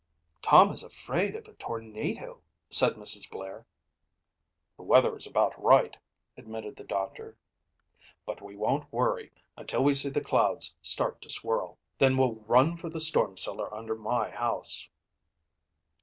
"Tom is afraid of a tornado," said Mrs. Blair. "The weather is about right," admitted the doctor. "But we won't worry until we see the clouds start to swirl. Then we'll run for the storm cellar under my house."